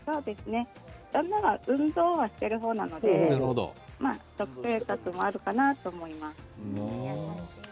運動はしてる方なので食生活もあるかなと思います。